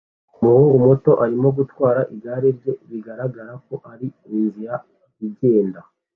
Umuhungu muto arimo gutwara igare rye bigaragara ko ari inzira igenda